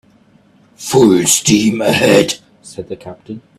"Full steam ahead," said the captain.